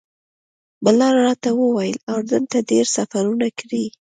بلال راته وویل اردن ته ډېر سفرونه کړي.